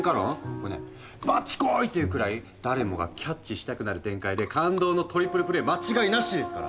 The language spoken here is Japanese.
これね「バッチコーイ！」っていうくらい誰もがキャッチしたくなる展開で感動のトリプルプレー間違いなしですから。